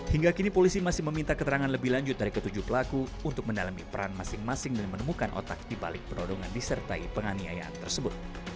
hingga kini polisi masih meminta keterangan lebih lanjut dari ketujuh pelaku untuk mendalami peran masing masing dan menemukan otak di balik penodongan disertai penganiayaan tersebut